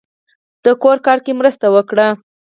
د کور کار کې مرسته وکړئ